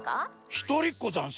ひとりっこざんす。